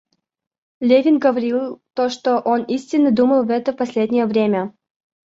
Левин говорил то, что он истинно думал в это последнее время.